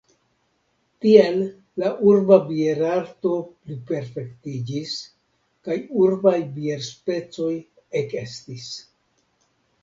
Tiel la urba bierarto pliperfektiĝis kaj urbaj bierspecoj ekestis.